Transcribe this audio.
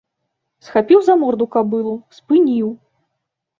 Схапіў за морду кабылу, спыніў.